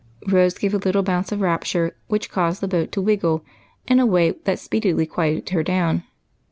Rose gave a little bounce of rapture which caused the boat to " wiggle " in a way that speedily quieted her down.